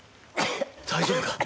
大丈夫か？